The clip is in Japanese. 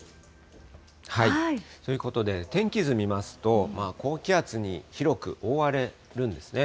ということで、天気図みますと、高気圧に広く覆われるんですね。